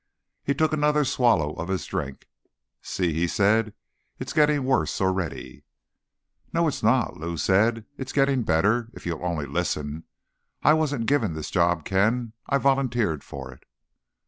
He took another swallow of his drink. "See?" he said. "It's getting worse already." "No, it's not," Lou said. "It's getting better, if you'll only listen. I wasn't given this job, Ken. I volunteered for it."